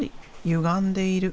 ゆがんでいる。